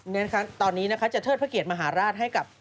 นี่นะคะตอนนี้จะเทศเพราะเกียรติมหาราชให้กับ